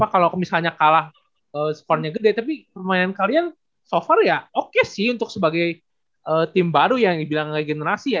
apa kalau misalnya kalah sponnya gede tapi pemain kalian so far ya oke sih untuk sebagai tim baru ya bila ngegenerasi ya